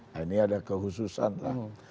nah ini ada kehususan lah